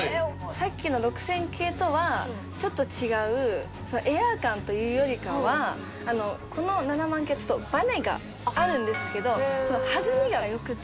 さっきの６０００系とはちょっと違うエアー感というよりかはこの７０−０００形はちょっとバネがあるんですけどその弾みが良くて。